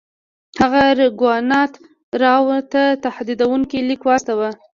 هغه راګونات راو ته تهدیدونکی لیک واستاوه.